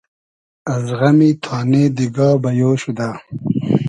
از غئمی تانې دیگا بئیۉ شودۂ